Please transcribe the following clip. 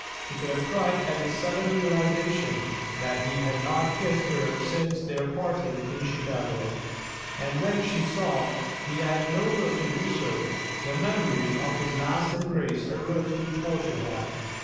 She could have cried at the sudden realization that he had not kissed her since their parting in Chicago; and when she saw he had no will to do so, the memory of his last embrace arose to torture her.